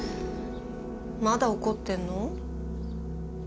まだ怒ってんの？